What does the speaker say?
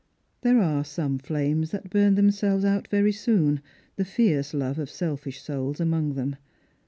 There are some flames that burn themselves out very soon, the fierce love of selfish souls among them.